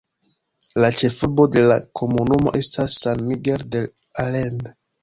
La ĉefurbo de la komunumo estas San Miguel de Allende.